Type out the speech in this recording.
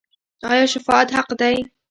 آیا شفاعت حق دی؟